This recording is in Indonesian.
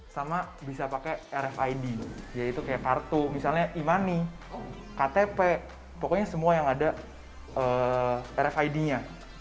sama bisa pakai rfid yaitu kayak kartu misalnya e money ktp pokoknya semua yang ada rfid nya